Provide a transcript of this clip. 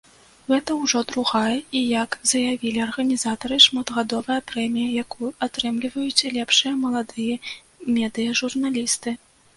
Гэта ўжо другая і, як заявілі арганізатары, штогадовая прэмія, якую атрымліваюць лепшыя маладыя медыяжурналісты.